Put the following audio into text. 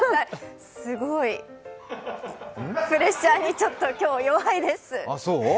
すごい、プレッシャーに今日、弱いです。